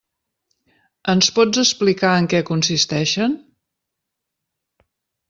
Ens pots explicar en què consisteixen?